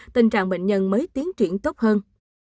tình trạng bệnh nhân mới tiến triển tốt hơn